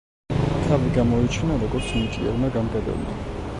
თავი გამოიჩინა როგორც ნიჭიერმა გამგებელმა.